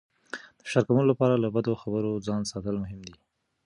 د فشار کمولو لپاره له بدو خبرونو ځان ساتل مهم دي.